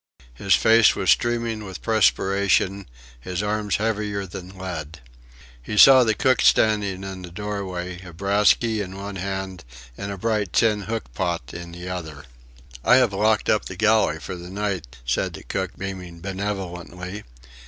His face was streaming with perspiration, his arms heavier than lead. He saw the cook standing in the doorway, a brass key in one hand and a bright tin hook pot in the other. "I have locked up the galley for the night," said the cook, beaming benevolently.